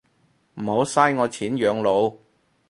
唔好嘥我錢養老